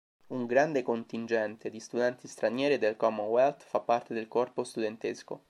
Un grande contingente di studenti stranieri e del Commonwealth fa parte del corpo studentesco.